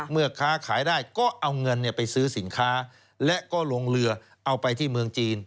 ค้าขายได้ก็เอาเงินไปซื้อสินค้าและก็ลงเรือเอาไปที่เมืองจีน